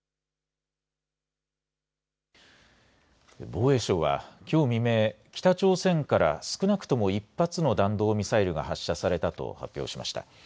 防衛省はきょう未明、北朝鮮から少なくとも１発の弾道ミサイルが発射されたと発表しました。